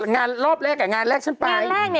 งานรอบแรกงานแรกไง